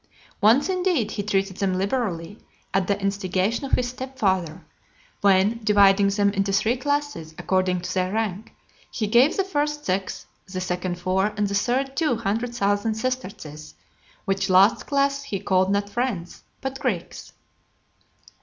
Once, indeed, he treated them liberally, at the instigation of his step father, when, dividing them into three classes, according to their rank, he gave the (221) first six, the second four, and the third two, hundred thousand sesterces, which last class he called not friends, but Greeks.